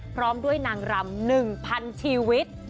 พร้อมด้วยนางรำ๑๐๐๐ชีวิต